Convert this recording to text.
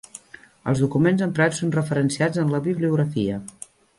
Els documents emprats són referenciats en la bibliografia.